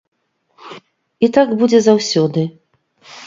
І так будзе заўсёды.